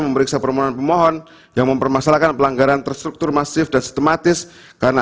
memeriksa permohonan pemohon yang mempermasalahkan pelanggaran terstruktur masif dan sistematis karena